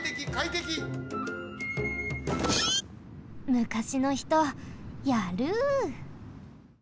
むかしのひとやる！